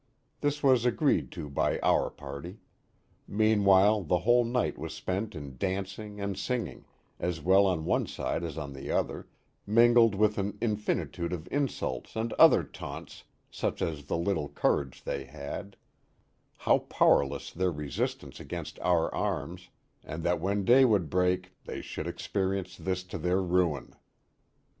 This was agreed to by our party. Meanwhile the whole night was spent in dancing and singing, as well on one side as on the other, mingled with an infinitude of insults and other taunts such as the little courage they had; how powerless their resistance against our arms, and that when day would break they should ex perience this to their ruin.